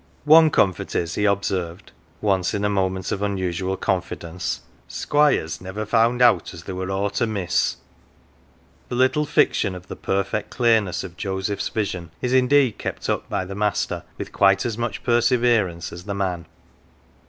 " One comfort is," he observed, once in a moment of unusual confidence, "Squire's never found out as there were aught amiss." The little fiction of the perfect clearness of Joseph's vision is indeed kept up by the master with quite as much perseverance as the man.